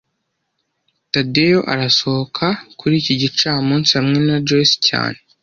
Tadeyo arasohoka kuri iki gicamunsi hamwe na Joyce cyane